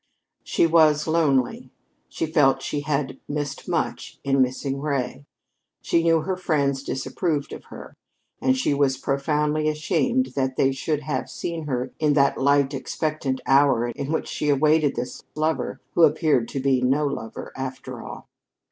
She was lonely. She felt she had missed much in missing Ray. She knew her friends disapproved of her; and she was profoundly ashamed that they should have seen her in that light, expectant hour in which she awaited this lover who appeared to be no lover, after all.